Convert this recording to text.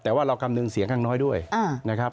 แต่ว่าเราคำนึงเสียงข้างน้อยด้วยนะครับ